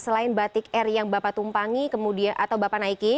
selain batik air yang bapak tumpangi atau bapak naiki